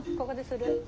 ここでする。